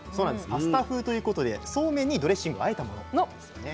パスタ風ということでそうめんにドレッシングをあえたものなんですね。